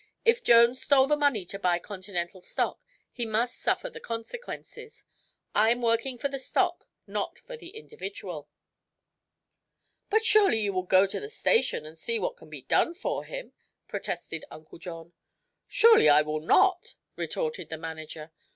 "If Jones stole the money to buy Continental stock he must suffer the consequences. I'm working for the stock, not for the individual." "But surely you will go to the station and see what can be done for him?" protested Uncle John. "Surely I will not," retorted the manager.